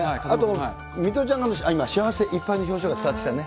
水卜ちゃんがちょっと幸せいっぱいな表情が伝わってきたね。